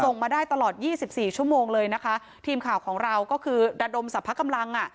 มาได้ตลอดยี่สิบสี่ชั่วโมงเลยนะคะทีมข่าวของเราก็คือระดมสรรพกำลังอ่ะ